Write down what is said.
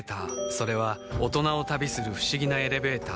それは大人を旅する不思議なエレベーター